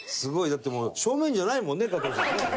だってもう正面じゃないもんね加藤さんね。